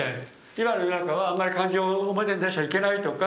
今の世の中はあんまり感情を表に出しちゃいけないとか。